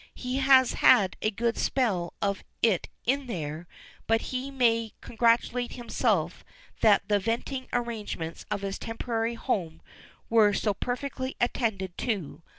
He has had a good spell of it in there, but he may congratulate himself that the ventilating arrangements of his temporary home were so perfectly attended to.